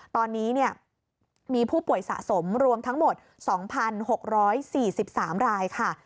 ตอนนี้มีผู้ป่วยสะสมรวมทั้งหมด๒๖๔๓รายค่ะ